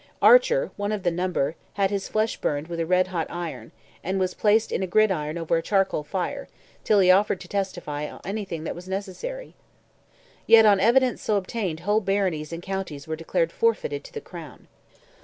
Archer, one of the number, had his flesh burned with red hot iron, and was placed on a gridiron over a charcoal fire, till he offered to testify anything that was necessary. Yet on evidence so obtained whole baronies and counties were declared forfeited to the Crown.